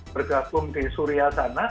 bergabung di suria sana